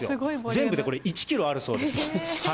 全部でこれ、１キロあるそうです。